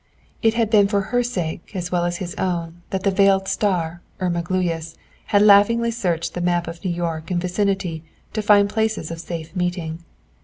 It had been for her sake as well as his own that the veiled star, Irma Gluyas, had laughingly searched the map of New York and vicinity to find places of safe meeting.